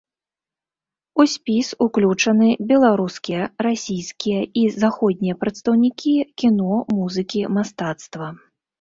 У спіс уключаны беларускія, расійскія і заходнія прадстаўнікі кіно, музыкі, мастацтва.